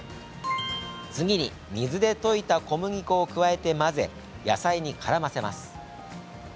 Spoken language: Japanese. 次に水で溶いた小麦粉を加えて混ぜ、野菜にからませます。